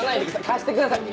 貸してください！